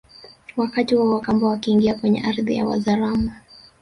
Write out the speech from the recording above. Wakati huo Wakamba wakiingia kwenye ardhi ya Wazaramo